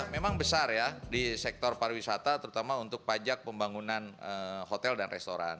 memang besar ya di sektor pariwisata terutama untuk pajak pembangunan hotel dan restoran